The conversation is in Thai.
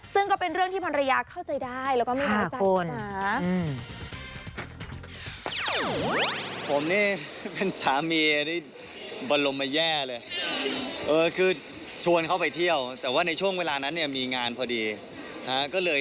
ซึ่งก็เป็นเรื่องที่ภรรยาเข้าใจได้